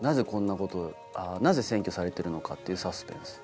なぜ占拠されてるのかっていうサスペンス。